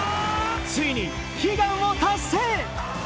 ついに悲願を達成。